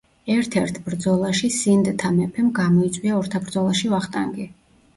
ერთ-ერთ ბრძოლაში სინდთა მეფემ გამოიწვია ორთაბრძოლაში ვახტანგი.